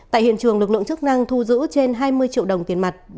tại hiện trường lực lượng chức năng thu giữ trên hai mươi triệu đồng tiền mặt